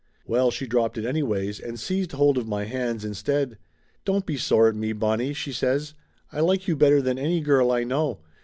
Well, she dropped it anyways and seized hold of my hands in stead. "Don't be sore at me, Bonnie," she says. "I like you better than any girl I know.